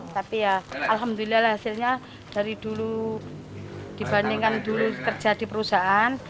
tapi ya alhamdulillah hasilnya dari dulu dibandingkan dulu kerja di perusahaan